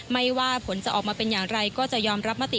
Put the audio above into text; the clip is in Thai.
ไม่ว่าผลจะออกมาเป็นอย่างไรก็จะยอมรับมติ